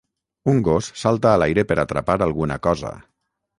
Un gos salta a l'aire per atrapar alguna cosa.